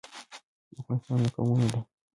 افغانستان له قومونه ډک دی.